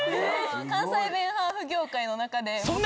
関西弁ハーフ業界の中で。